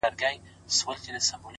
مينه مني ميني څه انكار نه كوي”